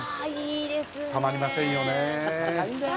たまりませんよね。